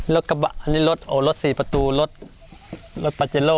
รถกระบะอันนี้รถโอ้รถสี่ประตูรถรถปาเจโร่